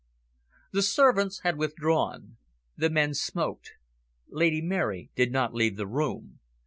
The servants had withdrawn. The men smoked. Lady Mary did not leave the room.